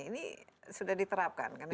ini sudah diterapkan